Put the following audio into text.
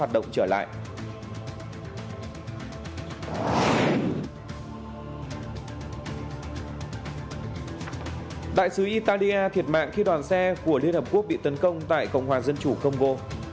đại sứ italia thiệt mạng khi đoàn xe của liên hợp quốc bị tấn công tại cộng hòa dân chủ congo